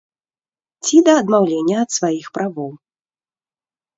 Ці да адмаўлення ад сваіх правоў.